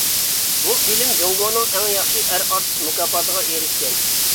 بۇ فىلىم جۇڭگونىڭ ئەڭ ياخشى ئەر ئارتىس مۇكاپاتىغا ئېرىشكەن.